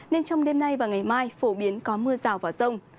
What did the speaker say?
nên trong đêm nay và ngày mai phổ biến có mưa rào và rông